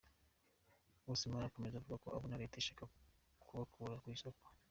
Osmane akomeza avuga ko abona Leta ishaka kubakura ku isoko.